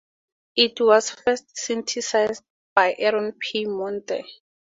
It was first synthesized by Aaron P. Monte.